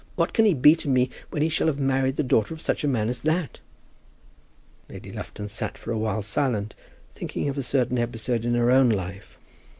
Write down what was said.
What can he be to me when he shall have married the daughter of such a man as that?" Lady Lufton sat for a while silent, thinking of a certain episode in her own life.